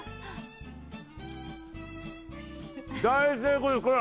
大成功です、これ。